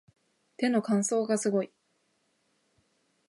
手の乾燥がすごい